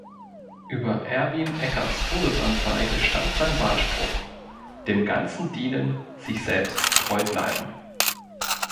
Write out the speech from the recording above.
Über Erwin Eckerts Todesanzeige stand sein Wahlspruch: "„Dem Ganzen dienen, sich selbst treu bleiben“".